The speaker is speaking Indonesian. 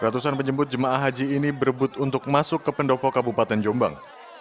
ratusan penjemput jemaah haji ini berebut untuk masuk ke pendopo kabupaten jombang